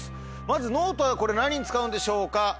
まずノートはこれ何に使うんでしょうか？